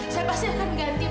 saya pasti akan mengganti pak